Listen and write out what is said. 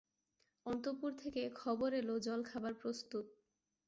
অন্তঃপুর থেকে খবর এল জলখাবার প্রস্তুত।